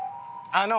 あの。